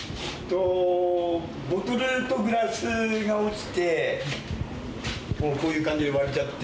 ボトルとグラスが落ちてこういう感じで割れちゃって。